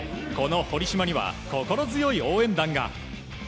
この堀島には心強い応援団が。